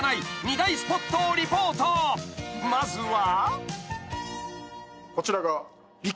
［まずは］